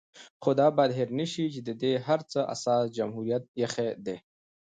خو دا بايد هېر نشي چې د دې هر څه اساس جمهوريت ايښی دی